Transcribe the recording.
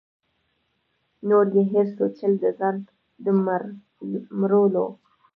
نور یې هېر سو چل د ځان د مړولو